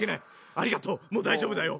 ありがとうもう大丈夫だよ。